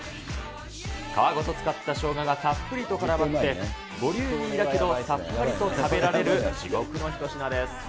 皮ごと使った生姜がたっぷりとからまって、ボリューミーだけどさっぱりと食べられる至極の一品です。